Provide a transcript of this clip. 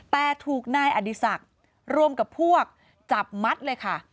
แต่ถูกนายอดีศักดิ์รวมกับพวกจับมัดเลยค่ะ